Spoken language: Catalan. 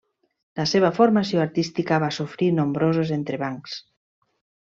La seva formació artística va sofrir nombrosos entrebancs.